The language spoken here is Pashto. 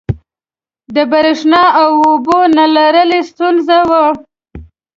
د برېښنا او اوبو نه لرل یې ستونزه وه.